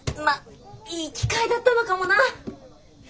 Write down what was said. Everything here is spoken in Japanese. まっいい機会だったのかもな。